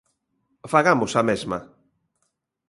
Fagamos a mesma.